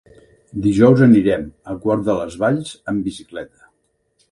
Dijous anirem a Quart de les Valls amb bicicleta.